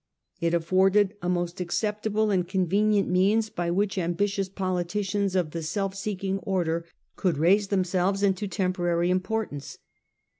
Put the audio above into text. It afforded a most acceptable and convenient means by which am bitious politicians of the self seeking order could raise themselves into temporary importance.